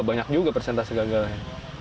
banyak juga persentase gagalnya